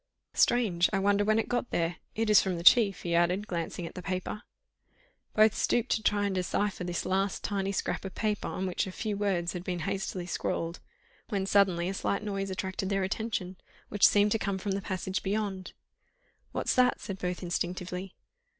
"Strange!—I wonder when it got there? It is from the chief," he added, glancing at the paper. Both stooped to try and decipher this last tiny scrap of paper on which a few words had been hastily scrawled, when suddenly a slight noise attracted their attention, which seemed to come from the passage beyond. "What's that?" said both instinctively.